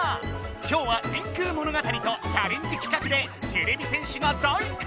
きょうは「電空物語」とチャレンジきかくでてれび戦士が大活躍！